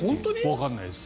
わかんないです。